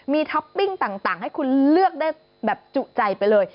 มีท็อปปิ้งต่างให้คุณเลือกได้แบบจุใจไปเลย